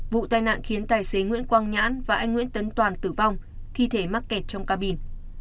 vụ tai nạn khiến tài xế nguyễn quang nhãn và anh nguyễn tấn toàn tử vong thi thể mắc kẹt trong cabin